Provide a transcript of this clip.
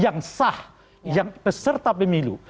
yang sah yang peserta pemilu